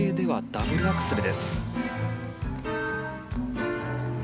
ダブルアクセル。